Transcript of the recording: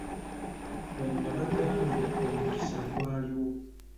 We nabagambira omukisa gwaliwo.